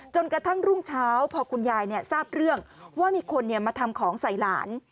กระทั่งรุ่งเช้าพอคุณยายทราบเรื่องว่ามีคนมาทำของใส่หลาน